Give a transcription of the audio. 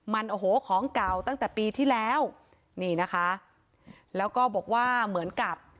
มันโอ้โหของเก่าตั้งแต่ปีที่แล้วนี่นะคะแล้วก็บอกว่าเหมือนกับ